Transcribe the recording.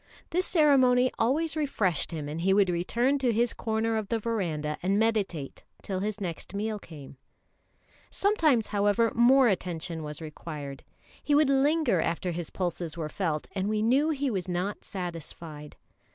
This ceremony always refreshed him, and he would return to his corner of the verandah and meditate till his next meal came. Sometimes, however, more attention was required. He would linger after his pulses were felt, and we knew he was not satisfied.